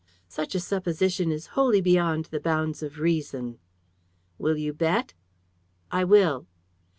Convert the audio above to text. "Such a supposition is wholly beyond the bounds of reason." "Will you bet?" "I will."